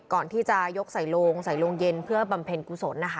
ก่อนที่จะยกใส่โรงเย็นเพื่อบำเพ็ญกุศล